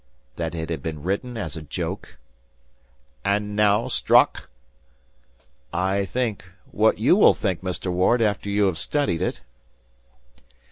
"That it had been written as a joke." "And now Strock?" "I think, what you will think, Mr. Ward, after you have studied it."